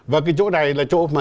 và cái chỗ này là chỗ mà